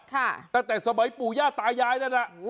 ตั้งแต่สมัยปู่ย่าตายายนั่นน่ะ